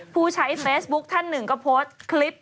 ผู้ใช้เฟซบุ๊คท่านหนึ่งก็โพสต์คลิป